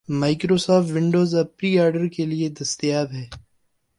Microsoft Windows اب preorder کے لیے دستیاب ہے